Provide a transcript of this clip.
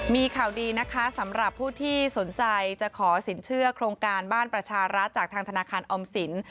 มีข่าวดีนะคะสำหรับผู้ที่สนใจจะขอสินเชื่อโครงการบ้านประชารัฐจากทางธนาคารออมสิน